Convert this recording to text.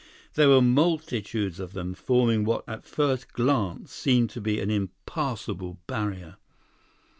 There were multitudes of them, forming what at first glance seemed an impassible barrier.